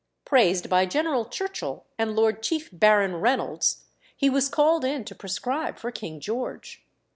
Praised by General Churchill and Lord Chief Baron Reynolds, he was called in to prescribe for King George.